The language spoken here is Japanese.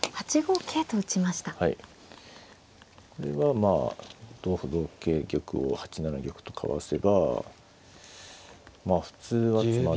これはまあ同歩同桂玉を８七玉とかわせばまあ普通は詰まない。